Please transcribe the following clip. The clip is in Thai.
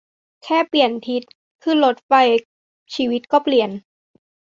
แค่เปลี่ยนทิศขึ้นรถไฟ ชีวิตก็เปลี่ยน